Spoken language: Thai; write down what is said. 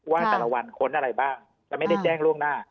ว่าแต่ละวันค้นอะไรบ้างแต่ไม่ได้แจ้งล่วงหน้า